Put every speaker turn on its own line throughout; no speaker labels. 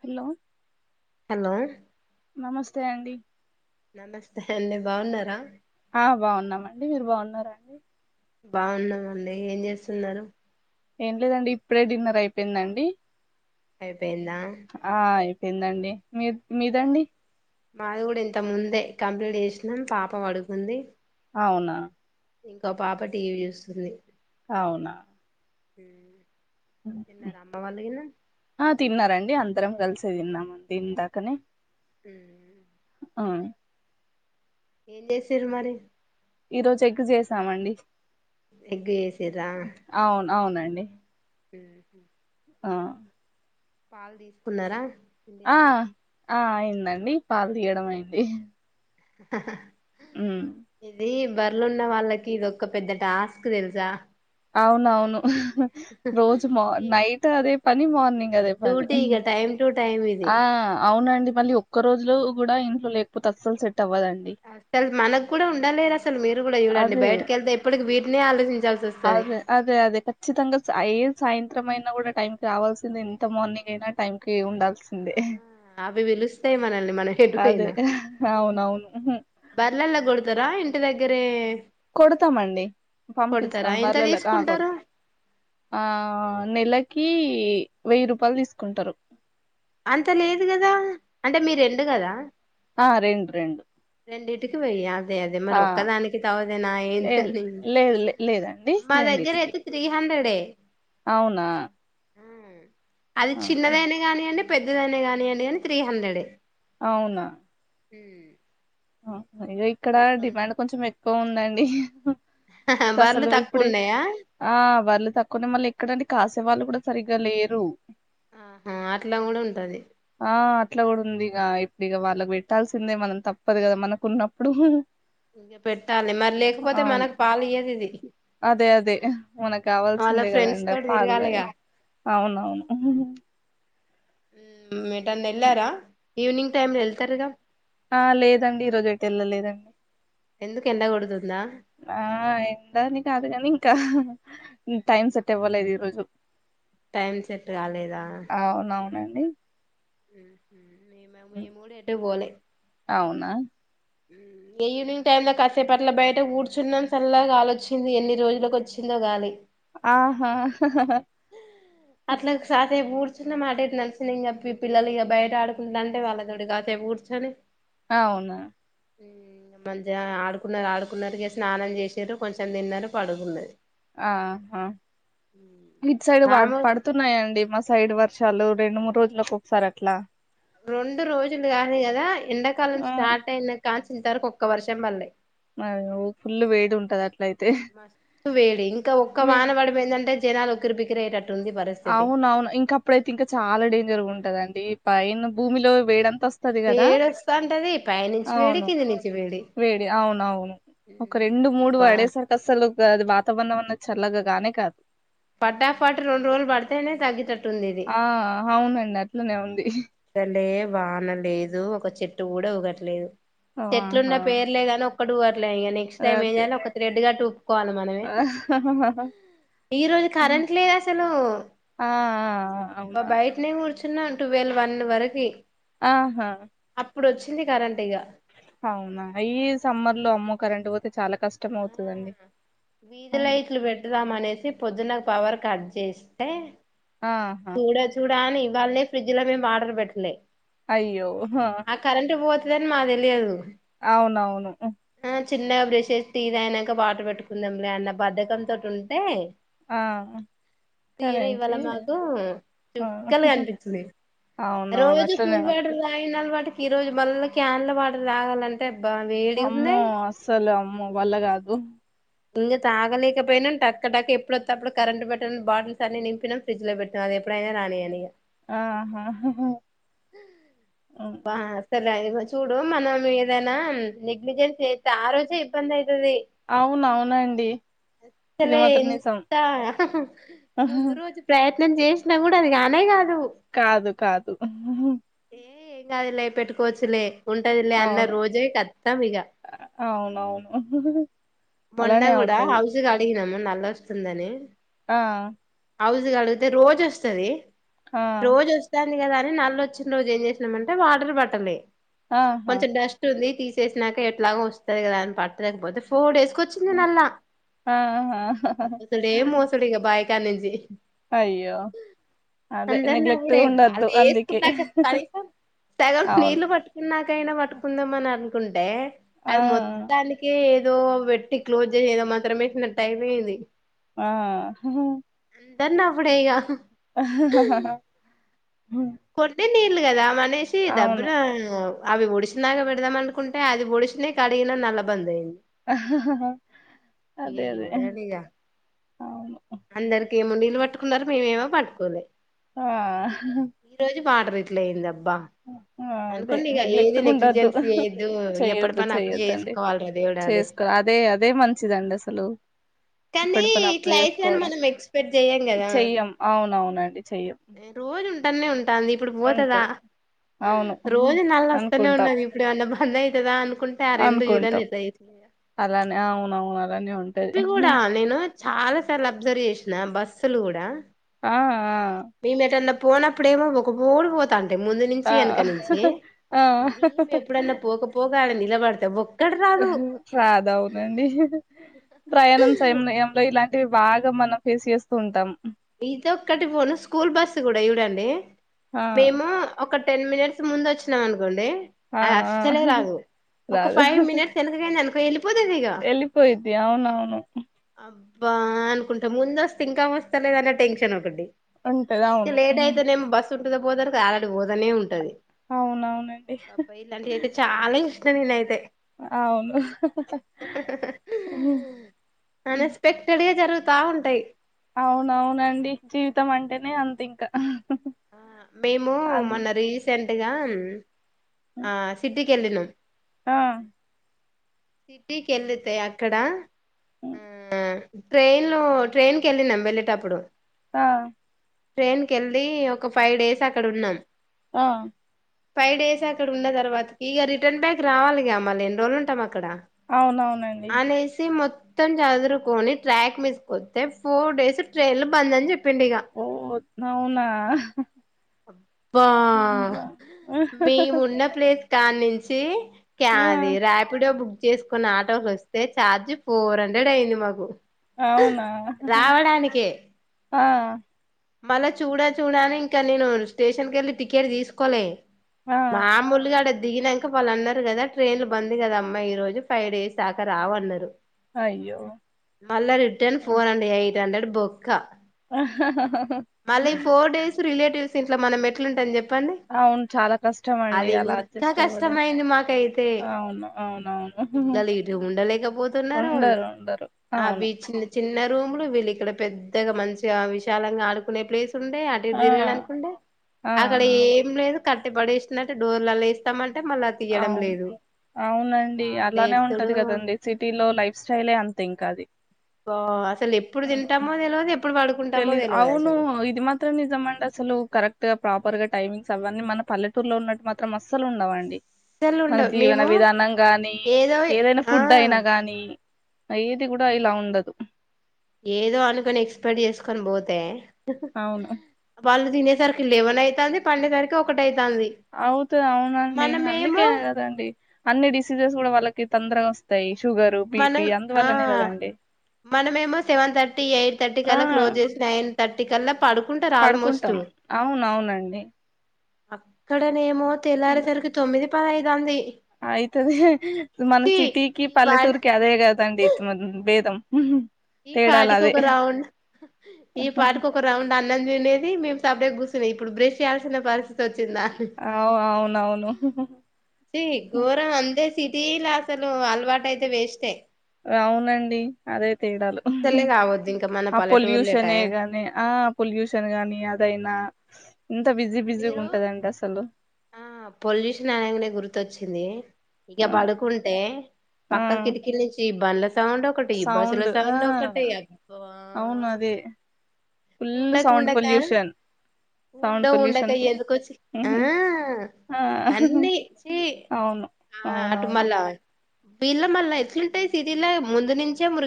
Hello
hello
నమస్తే అండి
నమస్తే అండి బాగున్నారా?
ఆ బాగున్నామండి. మీరు బాగున్నారండి?
బాగున్నామండి. ఏం చేస్తున్నారు?
ఏం లేదండి ఇప్పుడే డిన్నర్ అయిపోయిందండి.
అయిపోయిందా?
కిందండి మీ మీదండి?
మాది కూడా ఇంత ముందే కంప్లీట్ చేసినాం పాప పడుకుంది.
అవునా
ఇంకో పాప టీవీ చూస్తుంది.
అవునా
తిన్నారా [inaudible]
ఆ తిన్నారండి అందరం కలిసే తిన్నాము ఇందాకనే
అ
ఆవు
ఏం చేసిన్రు మరి
ఈ రోజు ఎగ్ చేసామండి
ఎగ్గు చేసిరా
అవును అవునండి.
హ
ఆ
పాలు తీసుకున్నారా?
ఆ
పిండిర్రా
ఆ ఇను అయిందండి పాలు తీయడం అయింది
హహ
అ
బర్లు ఉన్న వాళ్ళకి ఏదొక్క పెద్ద టాస్క్ తెలుసా
అవునవును రోజు మ నైట్ అదే పని మార్నింగ్ అదే పని
డ్యూటీకా టై ట
ఆ అవునండి మళ్ళీ ఒక్క రోజులు కూడా ఇంట్లో లేకపోతే అస్సలు సెట్ అవ్వదండి.
అసలు మనకు కూడా ఉండలేదు అసలు మీరు కూడా చూడండి
అదే.
బయటకి వెళ్తే ఎప్పటికి వీటినే ఆలోచించాల్సి వస్తుంది.
అదే. అదే. అదే. ఖచ్చితంగా స ఏ సాయంత్రం అయినా కూడా టైం కి రావాల్సింది ఎంత మార్నింగ్ అయినా టైం కి ఉండాల్సింది సిందే
అవి పిలుస్తాయి మనల్ని మనం
అదే.
ఎటుపోయినా
అవునవును. హుహు.
బర్లల్లో కొడతారా ఇ ఇ దగ్గర
కొడతామండి పంపిస్తాం
ఎంత
బర్లేలాక ఆ
తీసుకుంటారు
కొడతాం ఆ నెలకి కి వెయ్యి రూపాయలు తీసుకుంటారు
అంత లేదు కదా అంటే మీరు ఎండు కదా
ఆ రెండు రెండు
వీకి వేయాలి అదే అదే మరి ఒక్కదానికి తవదే నా
ఏ
ఏంటిని
లేదు లే లేదండి.
మా దగ్గర
రెండిటికి.
అయితే త్రీ హండ్రెడే ఏ
అవునా
అది
ఆ!
చిన్నదనే కాగాని అడి పెద్దదనే కానినీయంండి కాని త్రీ హండ్రెడ్
అవునా
హ్మ్
ఆ! అయ్యో ఇక్కడ డిమాండ్ కొంచెం ఎక్కువ ఉందండి బే హు హా
బర్లు
అసలు
తక్కువ
ఇప్పుడు
ఉన్నాయా
ఆ వాళ్ళ తక్కువనే మళ్ళీ ఎక్కడనికి కాసేవాళ్ళు కూడా సరిగ్గా లేరు
ఆహా అట్లా కూడా ఉంటది
ఎట్లా కూడా ఉంది ఇ ఇప్పుడు ఇక వాళ్ళకి పెట్టాల్సిందే మనం తప్ప తప్పదు కదా మనకున్నప్పుడు
ఇంక పెట్టాలి మరి లేకపోతే
అవును
మనకు పాలు ఇయ్యదు ఇది
అదే అదే మనకు
వాళ్ళ
కావాల్సిందే
ఫ్రెండ్స్
కదండడి
తోటి
పాాల
తిరగాలిగా
అవునవును
ఉమ్ ఏటాన్న ఎలారా ఈవినింగ్ టైమ్ లో వెళ్తారుగా
ఆ లేదండి ఈ రోజు అటు వెళ్ళలేదండి
ఎందుకు ఎండ కొడుతుందా
ఆ ఎంతాన్ని కా అదు కానీ ఇంకా టైమ్ సెట్ ఇవ్వలేదు ఈ రోజు
టైం సెట్ కాలేదా
అది
ఉ మేము కూడా ఏటు పోలే
అవునా
ఈవినింగ్ టైమ్ లో కాసేపట్ల బయట కూర్చున్నాం చల్లగాలిచ్చింది ఎన్ని రోజులలకు వచ్చిందో గాలి
ఆహా
అట్లా కాసేపు కూర్చున్న మాట నలిసిన ఇంక పిల్లలు ఇంకా బయట ఆడుకుంటు అంటే వాళ్ళతోడి కాసే కూర్చొని
అవునా
మధ ఆడుకున్నారు ఆడుకున్నారుకి స్నానం చేసారు కొంచెం తిన్నారు పడుకున్నది
ఆ హ ఇటు సైడ్
మాము
పడుతున్నాయండి మా సైడ్ వర్షాలు రెండు మూడు రోజులలకు ఒకసారి అట్లా
రెండు రోజులు కాదు కదా ఎండాకాలం
ఆ
స్టార్ట్ అయిన కాన్ ఇంతవరకు ఒక్క వర్షం పల్లె
మరి ఫుల్ వేడి ఉంటది అట్లయితే
మస్తు వేడి ఇంకా ఒక్క
మీ
వానపడిపోయిందంటే జనాలు ఉక్కిరిబిక్కిరి అయ్యేటట్టు
అవునవును ఇంక అప్పుడైతే ఇంకా చాలా డేంజర్ గా ఉంటదండి డి పైన భూమిలో వేడన్ వస్తది కదా
వేడొస్తాంటది పైనుంచి వేడి
అవును
కింది నుంచి
వేడి అవునవును ఒక రెండు మూడు
బా
వాడేసరికి అసలు ద అది వాతావరణం అన్నది చల్లగ కానే కాదు
ఫటాఫట్ రొండు రోజులు బడితేనే తగ్గిత
ఆ అవున నట్లనే ఉంది
అసలే వానలేదు ఒక చెట్టు కూడా ఊగట్లేదు చెట్లున్న
ఆహా
పేర్లేగాని ఒ క్కటి ప ట్ల ఇగ నెక్ట్స్ టైమ్
అదే
ఒక త్రెడ్ కట్టుకొని ఊపుకోవాలి మనమే
ఆ
ఈ రోజు కరెంట్ లేదు అసలు
ఆ ఆ అవునా
బయటనే కూర్చో తిన్న టువెల్ వన్ వరకి
ఆహా
ఇప్పుడొచ్చింది కరెంట్ ఇగా
అవునా ఈ సమ్మర్ లో అమ్మో కరెంట్ పో
వీధి
అవును
లైట్లు పెడదాం అనేసి పొద్దున పవర్ కట్ చేస్తే
ఆహా
చూడా చూడానీ వాళ్ళే ఫ్రిడ్జ్ లో మేము వాటర్ పెట్టలే
అయ్యో హా
తని మా తెలియదు
అవునవును
ఆ చిన్నగా బ్రష్ చేసి టీ తాగినంక వాటర్ పెట్టుకుందాం లే అన్న బద్ధకం తోటి ఉంటే
ఆ కరేంటి
ఆ చుక్కలు కనిపిచ్చినయ్
అవునవును
రోజు
అట్లనే
కూల్ వాటర్
ఉంటది
తాగినా వాటికి ఈ రోజు మళ్ళ క్యాన్ల వాటర్ తాగాలంటే అబ్బా వేడిగా
అమ్మో
ఉన్నాయి
అస్సలు అమ్మో వల్లగాదు
ఇంగా తాగలేకపోయినా టక్క టక్క ఇంగా ఎప్పుడొత్తప్పుడు కరెంట్ పెట్టిన బాటిల్స్ అన్ని నింపినా ఫ్రిడ్జ్ లో పెట్టినం అది ఎప్పుడైనా రానియని ఇగా
ఆహ
బా అసలు ఇగో చూడు మనం ఏదైనా నెగ్లిజేన్స్ చేస్తే ఆ రోజే ఇబ్బందయితది
అవ్
అసలే
మాత్రం నిజం
ఎంత ముందు రోజు ప్రయ నేను చేసినా కూడా అది కానెగానే కా
కాదు కాదు.
ఏ ఏం కాదులే పెట్టుకోవచ్చులే ఉంటది లే అన్న
అవును
రోజే కట్టం ఇగ
అవునవును అలానే
మెునగుడా
అవుతది
హౌస్ కడిగ మ్మ నల్ వస్తుందని
ఆ
హౌజు కడిగితే రోజు వస్తుది
ఆ
రోజ వస్త కదా అని నల్లుు వచ్చిన రోజు ఏం చేసినా అంటే వాటర్ బట్టలే
ఆహా
కొంచెం డస్ట్ ఉంది తీస్ చేసినాక ఎట్లాగో వస్తాది కదా అని పట్టలేకపోతే ఫోర్ డేసుకు వచ్చి నలా
ఆహా
మోసుడే మెాసుడే ఇగా బాయి కానించి
అయ్యో అదే
అందర్
నెగ్లెక్ట్
నవుడే వాళ్ళు
ఉండద్దు అందుకే
ఏసుకున్నాక కనీసం సగం
అవును
నీళ్లుు పట్టుకున్నాకైనా పట్టుకుందాం అని కుంటే
ఆ
ఆది మొత్తానికే దో వెట్టి క్లోజ్ జేయు్ ఏదో మంత్రం ఏషిన్నటైయైపోంది
ఆ హ హా
అందర్ నవుడే ఇగా కొర్దిన్ నీళ్లు కదా మ అనేసషి
అవును
దబ్బురా అవి ఒడిసినాగా పెడదామనుకుంటే అది ఒడిసినయి కడిగిన నల్లబంద్ అయింది
హహహు
ఇగ
అదే అదే
చూడండి ఇగ
అవును
అందరికి ఏమో నీళ్లు పట్టుకున్నరు మీమేమో పట్టుకోలే
ఆ హ్ అహ్
ఈ రోజు వాటర్ ఇట్లయింద
అదే నెగ్లెట్ గా ఉండద్దు
నెగ్లిజెన్స్ చేయొద్దు ఎప్పటి
చెయ్యొద్దు
పని అప్పుడే
చెయొద్దండి
చేసుకోవాలిరా దేవుడా అని
చేసుకో అదే అదే మంచిదండి అసలు
కానీ
ఇప్పటి పని అప్పుడు
క్లైమేట్
చేసుకోవడం
మనం ఎక్స్పెక్ట్ చేయం కదా
చెయ్యం అవునవునండి చెయ్యం
రోజుంట థానే ఇప్పుడు పోతుదా
అంతే అవును
రోజు నల్ల వస్తానే
అనుకుంటాం
ఉన్నది ఇప్పుడు ఏమన్నా బంద్ అవుతుందా అనుకుంటే రెండు చూడండి
అనుకుంటాం
ఎట్టచేస్తుందో
అలానే అవునవును అలానే ఉంటది
ఇప్పుడు కూడా నేను చాలా సార్లు అబ్జర్వ్ చేసిన బస్సులు కూడా
ఆ ఆ
మేము ఎటన్నా పోనప్పుడేమో ఒక పోడి పోతాను ముందు
ఆ
నుంచి వెనక నుంచి
ఆ
మేము ఎప్పుడన్నా పోకపోక ఇలా పడుతే బుక్
రాద అవునండి ఇలా అ బాగా మనం ఫేస్ చేస్తూ ఉంటాం
లె
ఆ
మేము ఒక టెన్ మినిట్స్ ముందు వచ్చినా అనుకు కొండి
ఆ
అది
ఆ
అస్సలే రాదు ఒక ఫైవ్ మినిట్స్ వెనుకను పేలు
వెళ్ళిపోయింది అవునవును
బా అనుకుంటా ముంద వస్తే ఇంకా వ నచ్చలేదన్న టెన్షన్ ఒకటి
ఉంటది
ఇక
అవును
లేట్
హ్మ్.
అయితదేమో బస్ ఉంటుందా పోదరక ఆలాడి పోదనే ఉంటది
అవునవునండి
బబ్బాయి ఇలాంటి అయితే చాలా ఇష్ అయితే
అవును హ్మ్. హ్మ్.
అనెక్స్పెక్టెడ్ గా జరుగు బాగుంటాయ్
అవునవునండి జీవితం అంటేనే అంత ఇకా
ఆ మేము మొన్న రీసెంట్ ఇగా ఆ సిటీ కి వెళ్ళినామ్
ఆ
సిటీకి వెళ్ళితె అక్కడ
హ్మ్.
హ ట్రైన్ లో ట్రైన్ కెళ్ళినాం వెళ్ళేటప్పుడు
ఆ
ట్రైన్ కెళ్లి ఒక ఫైవ్ డేస్ అక్కడ ఉన్నాం.
ఆ
ఫైవ్ డేస్ అక్కడ ఉన్న తర్వాతకి ఇక రిటర్న్ బ్యాక్ రావాలి గా మళ్ళి ఎన్ని రోజులు ఉంటాం. అ అక్కడ
అవునవునండి
అనేసి మొత్తం. మొత్తం చదురుకొని ట్రాక్ మీదికొస్తే ఫోర్ డేస్ ట్రైన్లు బంద్ అని చెప్ప పిండిగా
ఓ అవునా
అబ్బా.
హ్మ్.
మేమున్న ప్లేస్ దానుంచి
ఆ
క్యాదిరా బుక్ చేసుకున్న ఆటోకి వస్తే ఛార్జ్ ఫోర్ హండ్రెడ్ అయింది. మాకు
అవునా హహ ఆ
మళ్ళ చూడా చూడాని ఇంకా నేను స్టేషన్ కేళ్ళి టికెట్ తీసుకోలే.
ఆ
మా మూలుగా అడ- దిగినక్క వాళ్ళు అన్నారు కదా ట్రైన్లు బంద్ కదామ్మా ఈ రోజు ఫైవ్ డేస్ దాకా రావన్నారు.
అయ్యో
మళ్ళ return four hundred eight. Five hundred బొక్క.
ఆ
మళ్ళా ఈ ఫోర్ డేస్ రిలేటివ్స్ ఇంట్ల మనం ఎట్లుటం చెప్పు- చెప్పండి.
అవును చాలా కష్టం అండి
అది
అలా
ఇంకా
అడ్జస్ట్ అవ్వడం
కష్టమయింది మాకైతే.
అవును అవునవును
పిల్లలు ఇటు ఉండలేకపోతున్నారు.
ఉండరు ఉండరు అవును
అవి చిన్న చిన్న రూమ్లు వీళ్ళు ఇక్కడ పెద్దగా మంచిగా ఆ విష- చాలంగా ఆడుకునే ప్లేస్. ఉండే అటు ఇటు
ఆ
తిరగడానికుండే.
ఆ
అక్కడ ఏం లేదు. కట్టి పడేసిన్నటు డోర్లలా ఏస్తామంటే-
అవును. అవునండి
వాళ్ళు
అలానే
ఏడుతుడు
ఉంటది కదండి సిటీ లో లైఫ్ స్టైలే అంతే ఇంకా అది
బా అసలు ఎప్పుడు
అవును
తింటామో తెలవదు ఎప్పుడు పడుకుంటామో
తెలిదు
తెలవదు
అవును.
అసలు
ఇది మాత్రం నిజమండి ఆసలు కరెక్ట్ గా ప్రాపర్ గా టైమింగ్స్ అవన్నీ మన పల్లెటూరులో ఉన్నటు మాత్రం అసల్- అసలు ఉండవండి.
అస్సలు
మన
ఉండవు
జీవన
మేము
విధానం గాని
ఏదో
ఏదైనా
ఆ
ఫుడ్ అయినా గాని. అయ్యేది కూడా ఇలా ఉండదు.
ఏదో అనుకొని ఎక్స్పెక్ట్ చేసుకొని పోతే.
అవును
వాళ్లు తినేసరికి లేవన్ అయితాంది. పండే సరికి ఒకటి అయి
అవుతు అవునండి. అందుకే కదండి అన్ని డిసీజెస్ కూడా వాళ్ళకి. తొందరగా వస్తాయి షుగరు బీపి
మనం ఆ
అందువల్లనే కదండి
మనమేమో సెవెన్ థర్టీ ఎయిట్ థర్టీ
ఆ
కలా క్లోజ్ చేసి నైన్ తట్టికల్ల
పడుకుంటాం అవునవునండి
అక్కడ నేమో తెల్లేసరికి తొమ్మిది పాడైతాంది
ఆయితుద మన సిటీకిి
ఈ పా
పల్లె [unintelligible] [unintelligible] దాం భేదం
ఈ
తేడాలు
పాటికి
అదే
ఒక రౌండ్ ఈ పాటికి ఒక రౌండ్ అన్నం తినేది మేము సపుడేక కుసునేది ఇడు బ్రె చేయాల్సిన పరిస్థితి వచి ఇంద
అవు అవునవును
గఘోరం అందే స తీలాసలు అల్వాటయితే వేస్ట్
అవునండి అదే తేడాలు
అసలే కావద్దు ఇంకా మన
ఆ
పల్లెటూర్ల
పొల్యూషనే
టైం
గాని ఆ పొల్యూషన్ గానీ అదైనా ఎంత బిజీ బిజీగా
మీరు
ఉంటదండి అసలు
ఆ పొల్యూషన్ అనగానే గుర్తొచ్చి ఇది ఇక
ఆ
బడుకుంటే
ఆ
పక్క కిటికీ నుంచి బండ్ల సౌండ్ ఒక్కట ఈ బస్సులో
సౌండ్ ఆ
సౌండు ఒక్కటే అబ్బ
అవును అదే ఫుల్
ఉండకా
సౌండ్
ఉండకా
పొల్యూషన్ సౌండ్ పొల్యూషన్
ఉండకయ
ఫుల్
ఎందుకొచ్చి ఆ
ఉహు ఆ
అన్నీ [unintelligible]
అవును
ఆ అటు
అవునవును
మళ్ళ పీళ్ల మళ్ళా ఎట్లుంటాయి సిరిలా ముందు నుంచే ము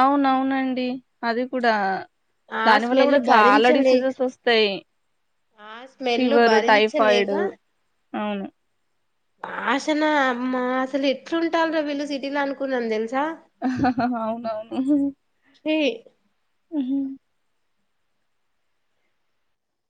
అవునవునండి అది కూడా
ఆ
దాని వల్ల
స్మెల్
కూడా చాలా
భరించలేక
డిసీజెస్ వస్తాయి
ఆ స్మెల్
ఫీవర్
భరించలేక
టైఫాయిడ్ అవును
ఆసనా అమ్మ అసలు ఎట్లా ఉంటాల రా వీళ్లు సిటీ అనుకు నంద తెలిసు
హహ అవునవును
ఛీ
ఉహుమ్